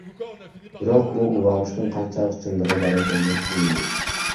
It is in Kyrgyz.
Бирок бул уламыштын канчалык чындыгы бар экенин эч ким билбейт.